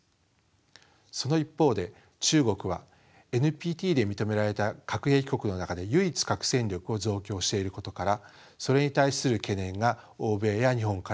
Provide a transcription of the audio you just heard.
その一方で中国はＮＰＴで認められた核兵器国の中で唯一核戦力を増強していることからそれに対する懸念が欧米や日本から示されました。